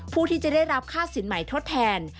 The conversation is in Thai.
ผู้ที่จะได้รับค่าสินใหม่ทดแทน